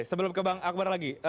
sebelum ke bang akbar lagi